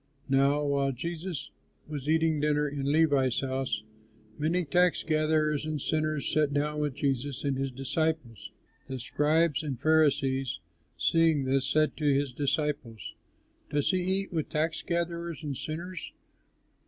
Now while Jesus was eating dinner in Levi's house, many tax gatherers and sinners sat down with Jesus and his disciples. The scribes and Pharisees, seeing this, said to his disciples, "Does he eat with tax gatherers and sinners?"